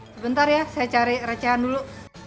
sebentar ya saya cari recehan dulu